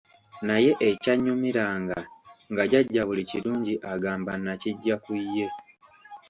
Naye ekyannyumiranga nga jjajja buli kirungi agamba nakiggya ku ye.